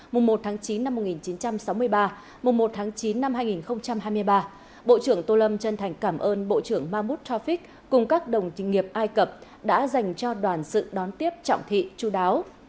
mùa một tháng chín năm một nghìn chín trăm sáu mươi ba mùng một tháng chín năm hai nghìn hai mươi ba bộ trưởng tô lâm chân thành cảm ơn bộ trưởng mahmoud tawfiq cùng các đồng trình nghiệp ai cập đã dành cho đoàn sự đón tiếp trọng thị chú đáo